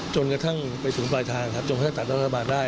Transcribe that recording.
จนกระทั่งไปถึงปลายทางครับจนกระทั่งตัดรัฐบาลได้